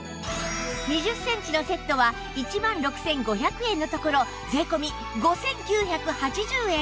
２０センチのセットは１万６５００円のところ税込５９８０円